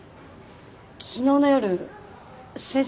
昨日の夜先生